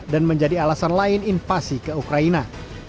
dan menjadi alasan lain invasi ke ukraina